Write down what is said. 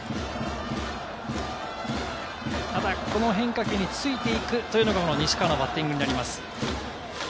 この変化球についていくというのが西川のバッティングになります。